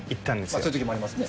そういう時もありますね。